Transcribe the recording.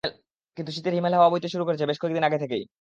কিন্তু শীতের হিমেল হাওয়া বইতে শুরু করেছে বেশ কয়েক দিন আগে থেকেই।